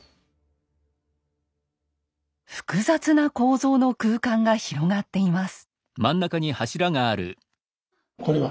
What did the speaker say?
複雑な構造の空間が広がっています。